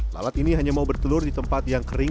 lalat ini hanya mau bertelur di tempat yang kering